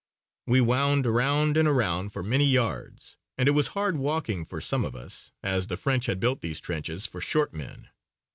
We wound around and around for many yards and it was hard walking for some of us, as the French had built these trenches for short men.